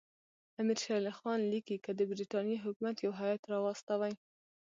امیر شېر علي خان لیکي که د برټانیې حکومت یو هیات راواستوي.